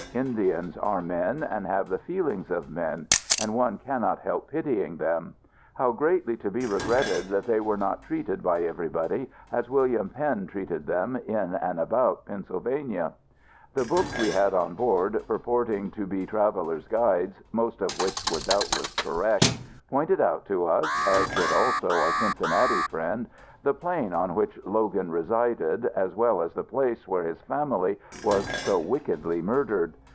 Indians are men, and have the feelings of men; and one cannot help pitying them. How greatly to be regretted that they were not treated, by everybody, as William Penn treated them, in and about Pennsylvania! The books we had on board, purporting to be travelers' guides most of which were doubtless correct pointed out to us, as did also our Cincinnati friend, the plain on which Logan resided, as well as the place where his family was so wickedly murdered.